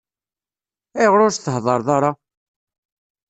Ayɣer ur s-thedreḍ ara?